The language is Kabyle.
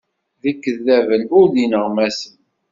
D ikeddaben, ur d ineɣmasen.